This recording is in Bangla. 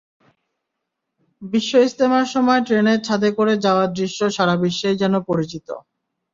বিশ্ব ইজতেমার সময় ট্রেনের ছাদে করে যাওয়ার দৃশ্য সারা বিশ্বেই বেশ পরিচিত।